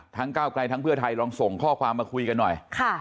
ก้าวไกลทั้งเพื่อไทยลองส่งข้อความมาคุยกันหน่อย